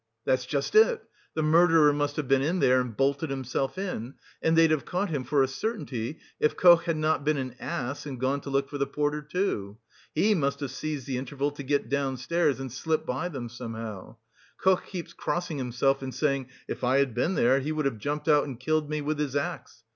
"That's just it; the murderer must have been there and bolted himself in; and they'd have caught him for a certainty if Koch had not been an ass and gone to look for the porter too. He must have seized the interval to get downstairs and slip by them somehow. Koch keeps crossing himself and saying: 'If I had been there, he would have jumped out and killed me with his axe.